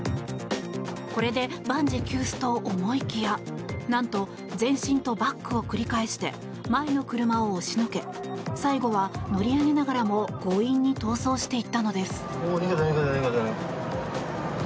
これで万事休すと思いきやなんと前進とバックを繰り返して前の車を押しのけ最後は乗り上げながらも強引に逃走していったのです。